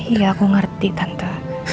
iya aku ngerti tante